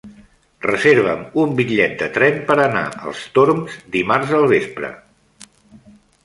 Reserva'm un bitllet de tren per anar als Torms dimarts al vespre.